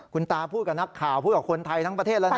คุณตาพูดกับนักข่าวพูดกับคนไทยทั้งประเทศแล้วนะ